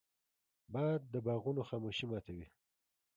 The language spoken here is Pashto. باد د باغونو خاموشي ماتوي